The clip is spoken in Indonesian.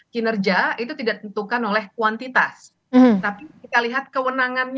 kinerja itu tidak tentukan oleh kuantitas tapi kita lihat kewenangannya